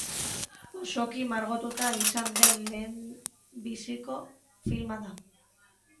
Osoki margotua izan den lehenbiziko filma da.